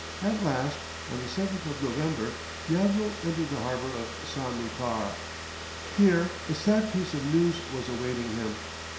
At last, on the 7th of November, the admiral entered the harbour of San Lucar. Here a sad piece of news was awaiting him.